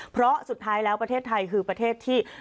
เพราะสุดท้ายแล้วประเทศไทยคือประเทศที่